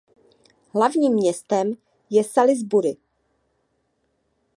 Hlavním městem je Salisbury.